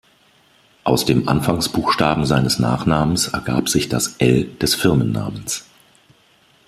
Aus dem Anfangsbuchstaben seines Nachnamens ergab sich das „L“ des Firmennamens.